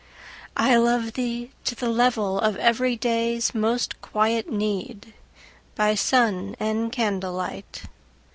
I love thee to the level of everyday's Most quiet need, by sun and candlelight.